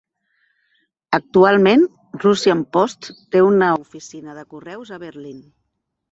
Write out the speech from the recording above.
Actualment, Russian Post té una oficina de correus a Berlín.